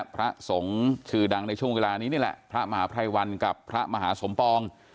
พระสงฆ์ชื่อดังในช่วงเวลานี้นี่แหละพระมหาภัยวันกับพระมหาสมปอง